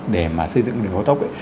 để mà xây dựng đường góp tốc ấy